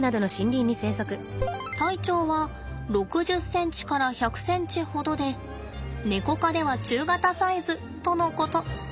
体長は６０ｃｍから１００ｃｍほどでネコ科では中型サイズとのこと。